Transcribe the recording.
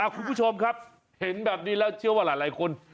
คุณผู้ชมครับเห็นแบบนี้แล้วเชื่อว่าหลายคน